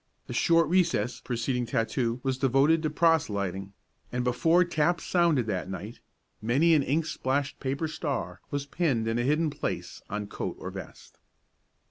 The short recess preceding tattoo was devoted to proselyting, and before taps sounded that night, many an ink splashed paper star was pinned in a hidden place on coat or vest.